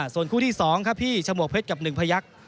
ส่วนคู่ที่สองครับพี่ชะหมวกเพชรกับหนึ่งพระยักษณ์